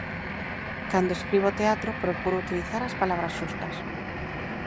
Cando escribo teatro procuro utilizar as palabras xustas.